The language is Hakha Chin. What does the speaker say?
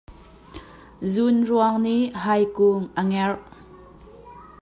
Zunruang nih hai kung a ngerh.